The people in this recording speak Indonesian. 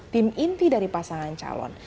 tim inti dari pasangan calon